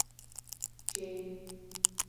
چې: